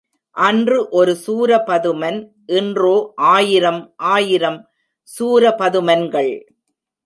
அன்று ஒரு சூரபதுமன் இன்றோ ஆயிரம் ஆயிரம் சூரபதுமன்கள்.